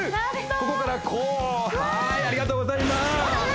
ここからこうはーいありがとうございます